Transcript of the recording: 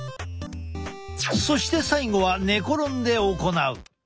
そして最後は寝転んで行う。